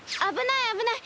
あぶない！